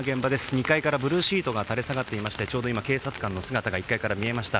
２階からブルーシートが垂れ下がっていましてちょうど今、警察官の姿が１階から見えました。